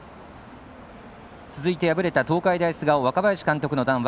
続いて、敗れた東海大菅生若林監督の談話。